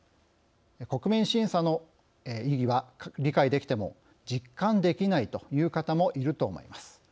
国民審査の意義は理解できても実感できないという方もいると思います。